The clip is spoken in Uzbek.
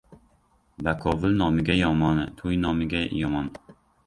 Bakovul nomiga yomon, to‘y nomiga yomon!